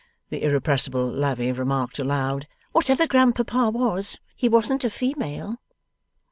The irrepressible Lavvy remarked aloud, 'Whatever grandpapa was, he wasn't a female.